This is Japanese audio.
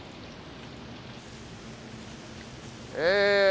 え